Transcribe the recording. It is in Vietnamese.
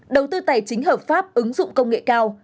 đầu tư tài chính hợp pháp ứng dụng công nghệ cao